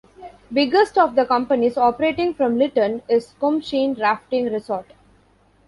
Biggest of the companies operating from Lytton is Kumsheen Rafting Resort.